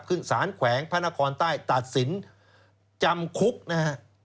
ขึ้นสารแขวงพระนครใต้ตัดสินจำคุกนะฮะ